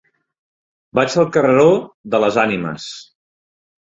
Vaig al carreró de les Ànimes.